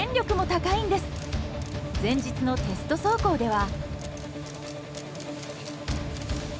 前日のテスト走行では。